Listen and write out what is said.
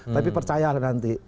tapi percaya lah nanti